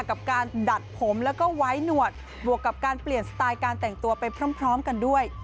กับการดัดผมแล้วก็ไว้หนวดบวกกับการเปลี่ยนสไตล์การแต่งตัวไปพร้อมกันด้วย